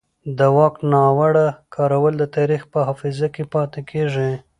د واک ناوړه کارول د تاریخ په حافظه کې پاتې کېږي